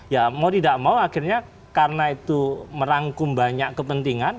ya mau tidak mau akhirnya karena itu merangkum banyak kepentingan